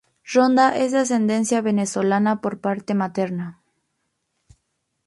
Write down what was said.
Ronda es de ascendencia venezolana por parte materna.